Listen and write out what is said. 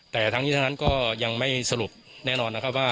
แต่ทั้งนี้ทั้งนั้นก็ยังไม่สรุปแน่นอนนะครับว่า